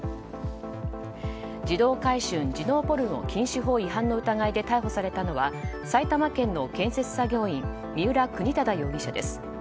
児童買春・児童ポルノ禁止法違反の疑いで逮捕されたのは埼玉県の建設作業員三浦邦匡容疑者です。